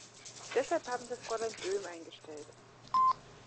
Deshalb haben wir Fräulein Böhm eingestellt.